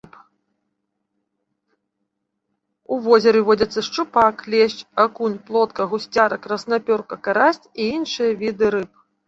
У возеры водзяцца шчупак, лешч, акунь, плотка, гусцяра, краснапёрка, карась і іншыя віды рыб.